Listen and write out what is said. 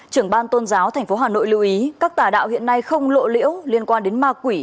trưởng ban tôn giáo tp hà nội lưu ý các tà đạo hiện nay không lộ liễu liên quan đến ma quỷ